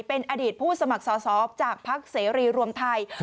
เป็นอดีตผู้สมัครสอสอจากภักดิ์เสรีรวมไทย